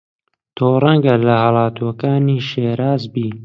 تۆ ڕەنگە لە هەڵاتووەکانی شیراز بی